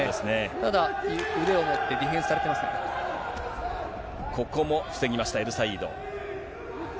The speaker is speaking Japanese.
ただ、腕を持ってディフェンスされてまここも防ぎました、エルサイード。